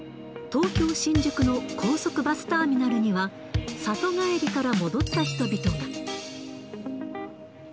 東京・新宿の高速バスターミナルには、里帰りから戻った人々が。